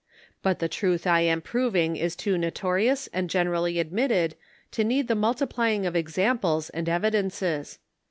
But the truth lam proving is too notorious and generally admitted to need the multiplying of examples and evi dences.